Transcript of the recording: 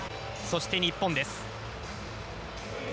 そして日本です。